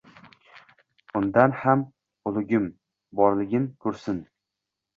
Undan ham ulugim borligin kursin